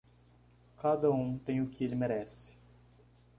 Cada um tem o que ele merece.